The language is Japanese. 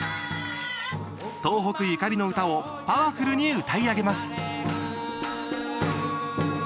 東北ゆかりの唄をパワフルに歌い上げます。